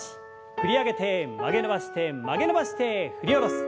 振り上げて曲げ伸ばして曲げ伸ばして振り下ろす。